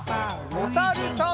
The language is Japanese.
おさるさん。